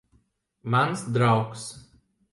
Mans draugs.